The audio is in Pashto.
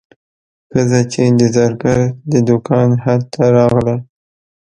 ښځه چې د زرګر د دوکان حد ته راغله.